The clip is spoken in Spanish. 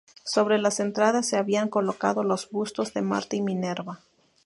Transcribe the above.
Sobre las entradas se habían colocado los bustos de Marte y Minerva.